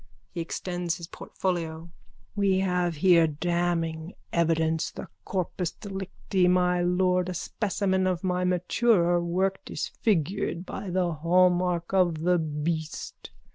(He extends his portfolio.) We have here damning evidence, the corpus delicti, my lord, a specimen of my maturer work disfigured by the hallmark of the beast.